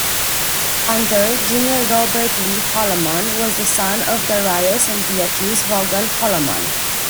Hunter, Jr.. Robert Lee Holloman was the son of Daraious and Beatrice Vaughan Holloman.